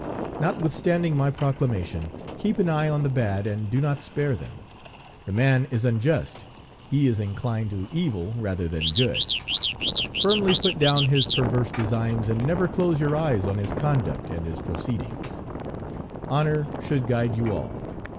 Notwithstanding my proclamation, keep an eye on the bad, and do not spare them. The man is unjust, he is inclined to evil rather than good. Firmly put down his perverse designs, and never close your eyes on his conduct and his proceedings. Honor Page 123 should guide you all.